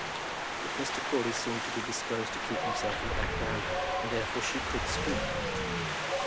But Mr. Crawley seemed to be disposed to keep himself in the background, and therefore she could speak.